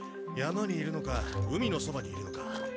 山にいるのか海のそばにいるのか。